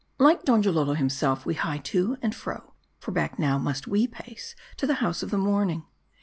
; LIKE Donjalolo himself, we hie to and fro ; foy back now must we pace to the House of the Morning.